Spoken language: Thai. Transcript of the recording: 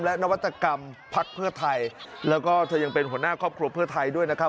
และนวัตกรรมพักเพื่อไทยแล้วก็เธอยังเป็นหัวหน้าครอบครัวเพื่อไทยด้วยนะครับ